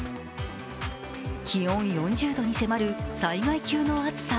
気温４０度に迫る災害級の暑さ。